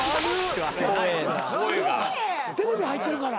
テレビ入っとるから。